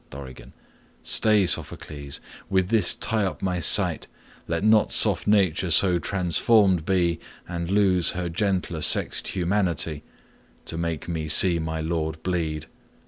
Dorigen. Stay, Sophocles,—with this tie up my sight; Let not soft nature so transformed be, And lose her gentler sexed humanity, To make me see my lord bleed.